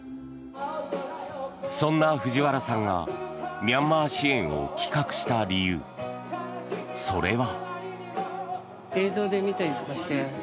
そんな藤原さんがミャンマー支援を企画した理由それは。